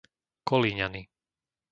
Kolíňany